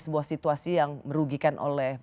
sebuah situasi yang merugikan oleh